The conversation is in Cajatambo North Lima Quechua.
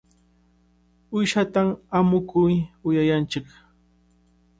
Uyshatam amuku uyuyachin.